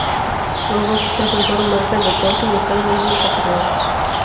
Los huesos presentaron marcas de corte, y están muy bien conservados.